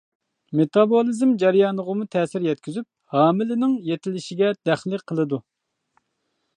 مېتابولىزم جەريانىغىمۇ تەسىر يەتكۈزۈپ، ھامىلىنىڭ يېتىلىشىگە دەخلى قىلىدۇ.